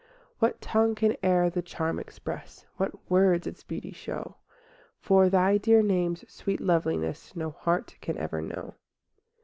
V What tongue can e'er the charm express? What words its beauty show? For Thy dear name's sweet loveliness No heart can ever know.